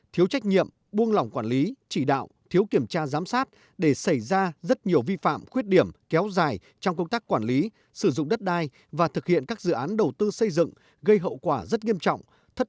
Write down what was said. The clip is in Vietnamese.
thiếu trách nhiệm buông lỏng quản lý chỉ đạo thiếu kiểm tra giám sát để xảy ra rất nhiều vi phạm khuyết điểm kéo dài trong công tác quản lý sử dụng đất đai và thực hiện các dự án đầu tư xây dựng gây hậu quả rất nghiêm trọng